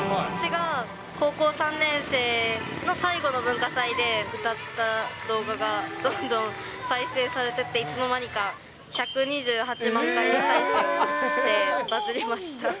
私が高校３年生の最後の文化祭で歌った動画が、どんどん再生されてって、いつの間にか１２８万回再生して、バズりました。